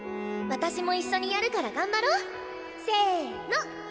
私も一緒にやるから頑張ろう？せの！